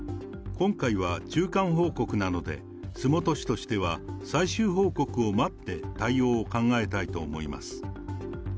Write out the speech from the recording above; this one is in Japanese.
今回は中間報告なので、洲本市としては、最終報告を待って対応を考えたいと思います。